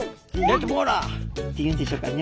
って言うんでしょうかね